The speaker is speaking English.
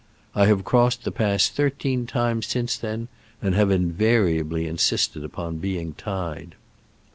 I have crossed the pass thirteen times since then, and have in variably insisted upon being tied.